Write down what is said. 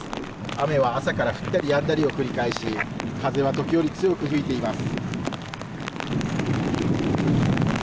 雨は朝から降ったりやんだりを繰り返し、風は時折、強く吹いています。